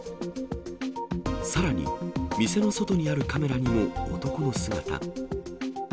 さらに、店の外にあるカメラにも男の姿。